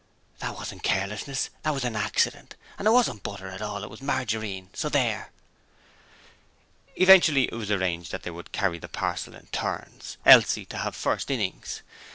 'That wasn't carelessness: that was an accident, and it wasn't butter at all: it was margarine, so there!' Eventually it was arranged that they were to carry the parcel in turns, Elsie to have first innings.